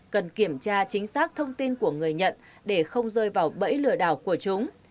cần kiểm tra chính xác thông tin của người nhận để không rơi vào bẫy lừa đảo của chúng